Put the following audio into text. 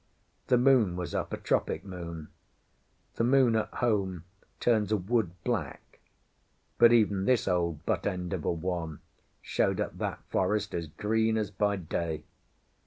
The moon was up—a tropic moon. The moon at home turns a wood black, but even this old butt end of a one showed up that forest, as green as by day.